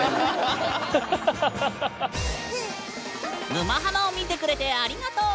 「沼ハマ」を見てくれてありがとう！